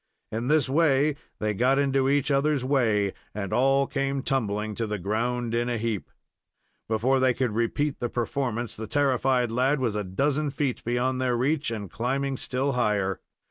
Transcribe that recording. In this way they got into each other's way, and all came tumbling to the ground in a heap. Before they could repeat the performance the terrified lad was a dozen feet beyond their reach, and climbing still higher.